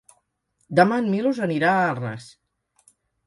Demà en Milos anirà a Arnes.